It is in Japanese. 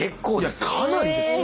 いやかなりですよ。